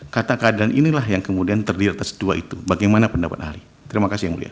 kata keadaan inilah yang kemudian terdiri atas dua itu bagaimana pendapat ahli terima kasih yang mulia